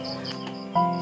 nanti aku ambil